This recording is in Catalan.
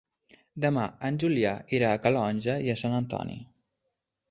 Demà en Julià irà a Calonge i Sant Antoni.